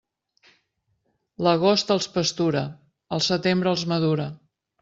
L'agost els pastura; el setembre els madura.